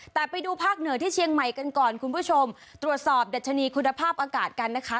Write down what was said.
แต่ไปดูภาคเหนือที่เชียงใหม่กันก่อนคุณผู้ชมตรวจสอบดัชนีคุณภาพอากาศกันนะคะ